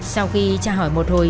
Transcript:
sau khi cha hỏi một hồi